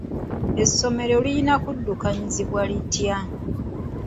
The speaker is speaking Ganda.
Essomero lirina kuddukanyizibwa litya?